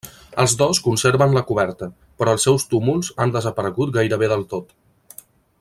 Els dos conserven la coberta, però els seus túmuls han desaparegut gairebé del tot.